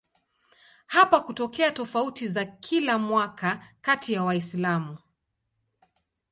Hapa hutokea tofauti za kila mwaka kati ya Waislamu.